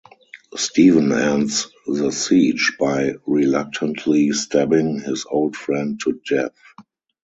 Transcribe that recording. Steven ends the siege by reluctantly stabbing his old friend to death.